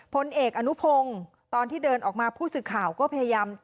พลเอกอนุพงศ์ตอนที่เดินออกมาผู้สื่อข่าวก็พยายาม